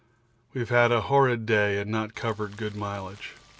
We've had a horrid day and not covered good mileage.